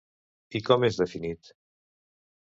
I com és definit?